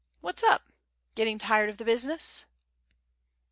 What's up. Getting tired of the business?"